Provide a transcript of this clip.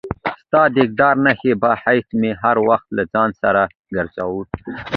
ستا د یادګار نښې په حیث مې هر وخت له ځان سره ګرځاوه.